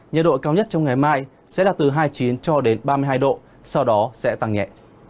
nhiệt độ cao nhất trong ngày mai sẽ là từ hai mươi chín cho đến ba mươi hai độ sau đó sẽ tăng nhẹ